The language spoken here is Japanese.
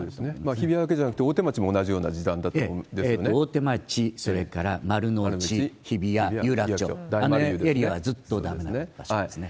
日比谷だけじゃなくて、大手町、それから丸の内、日比谷、有楽町、あのエリアはずっとだめな場所ですね。